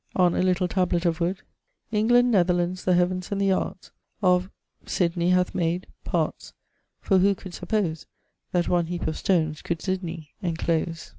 On a little tablet of wood: 'England, Netherlands, the Heavens and the Arts Of ... Sydney hath made ... parts; ... for who could suppose, That one heape of stones could Sydney enclose.'